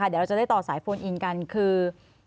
เดี๋ยวเราจะได้ต่อสายโฟนอินกันคือ